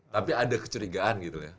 tapi ada kecurigaan gitu ya